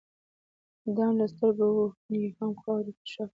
دام له سترګو وو نیهام خاورو کي ښخ وو